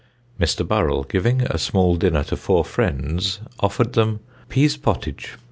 Mr. Burrell giving a small dinner to four friends, offered them Pease pottage.